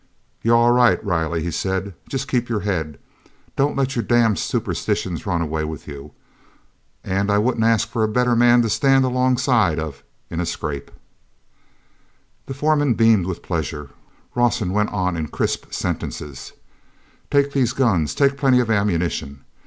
"You're all right, Riley," he said. "Just keep your head. Don't let your damned superstitions run away with you, and I wouldn't ask for a better man to stand alongside of in a scrap." The foreman beamed with pleasure: Rawson went on in crisp sentences: "Take these guns. Take plenty of ammunition.